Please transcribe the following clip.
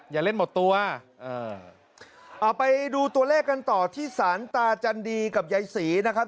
อย่าเล่นหมดตัวอ่าเอาไปดูตัวเลขกันต่อที่สารตาจันดีกับยายศรีนะครับ